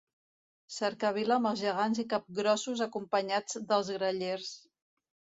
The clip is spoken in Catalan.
Cercavila amb els gegants i capgrossos acompanyats dels Grallers.